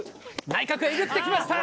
内角えぐってきました。